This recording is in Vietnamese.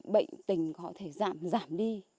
bệnh tình họ có thể giảm đi